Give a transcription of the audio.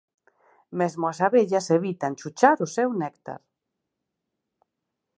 Mesmo as abellas evitan chuchar o seu néctar.